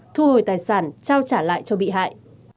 thu hồi tài sản trao trả lại cho bị hại